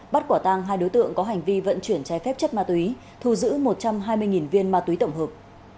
bắt quả tang hai đối tượng có hành vi vận chuyển trái phép chất ma túy thu giữ một trăm hai mươi viên ma túy tổng hợp